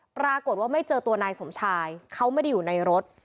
ปรากฏว่าไม่เจอตัวนายสมชายเขาไม่ได้อยู่ในรถ